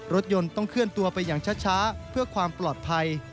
รถยนต์ต้องเคลื่อนตัวไปอย่างช้าเพื่อความปลอดภัย